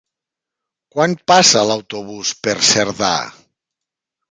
Quan passa l'autobús per Cerdà?